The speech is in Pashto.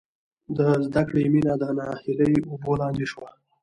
د زدکړې مینه د ناهیلۍ اوبو لاندې شوه